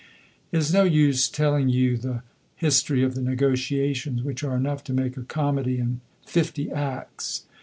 It is no use telling you the history of the negotiations, which are enough to make a comedy in 50 acts.